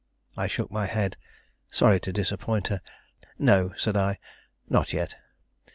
I shook my head, sorry to disappoint her. "No," said I; "not yet."